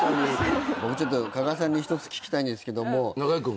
僕ちょっと加賀さんに１つ聞きたいんですけども。